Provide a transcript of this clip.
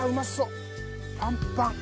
パンパン。